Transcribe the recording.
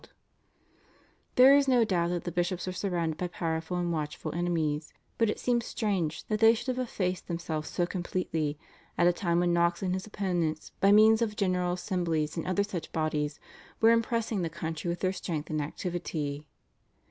There is no doubt that the bishops were surrounded by powerful and watchful enemies, but it seems strange that they should have effaced themselves so completely, at a time when Knox and his opponents by means of general assemblies and other such bodies were impressing the country with their strength and activity.